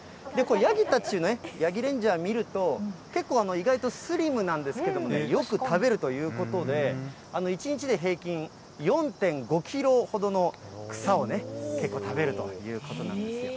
ヤギたち、ヤギレンジャー見ると、結構、意外とスリムなんですけれども、よく食べるということで、１日で平均４．５キロほどの草を結構食べるということなんですよ。